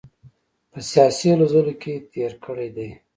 په سیاسي هلو ځلو کې تېر کړی دی.